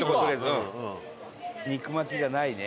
肉巻きがないね。